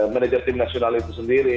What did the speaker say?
manajer tim nasional itu sendiri